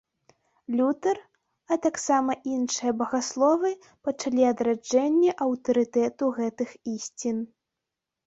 Лютэр, а таксама іншыя багасловы пачалі адраджэнне аўтарытэту гэтых ісцін.